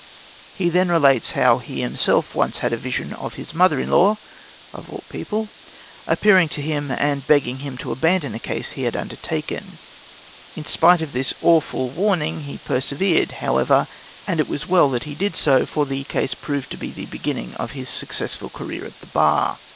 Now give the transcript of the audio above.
He then relates how he himself once had a vision of his mother in law, of all people, appearing to him and begging him to abandon a case he had undertaken. In spite of this awful warning he persevered, however, and it was well that he did so, for the case proved the beginning of his successful career at the Bar.